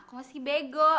kamu sih bego